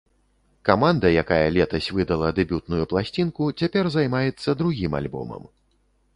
Каманда, якая летась выдала дэбютную пласцінку, цяпер займаецца другім альбомам.